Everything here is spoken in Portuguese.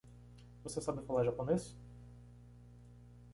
Você sabe falar japonês?